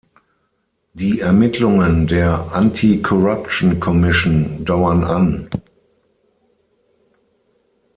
Die Ermittlungen der "Anti-Corruption-Commission" dauern an.